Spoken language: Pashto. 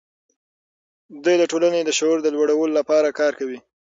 دوی د ټولنې د شعور د لوړولو لپاره کار کوي.